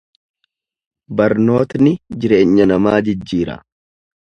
Barnootni jireenya namaa jijjiira.